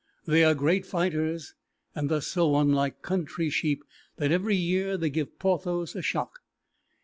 They are great fighters, and thus so unlike country sheep that every year they give Porthos a shock.